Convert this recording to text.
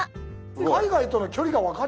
海外との距離が分かりますね。